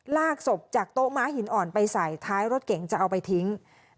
ลากศพจากโต๊ะม้าหินอ่อนไปใส่ท้ายรถเก๋งจะเอาไปทิ้ง